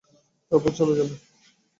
তারপর চলে যাব।